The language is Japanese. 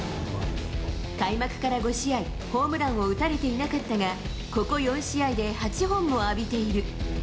開幕から５試合、ホームランを打たれていなかったが、ここ４試合で８本を浴びている。